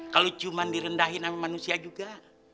kalo cuman direndahin sama manusia juga